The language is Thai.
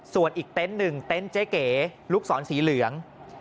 ส่วนอีกเต็นต์หนึ่งเต็นต์เจ๊เก๋ลูกศรสีเหลือง